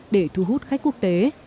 để thu hút khách quốc tế